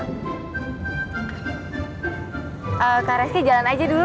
kak reski jalan aja dulu